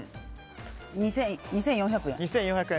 ２４００円。